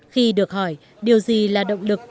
khi được hỏi điều gì là động lực